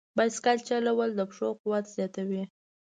بایسکل چلول د پښو قوت زیاتوي.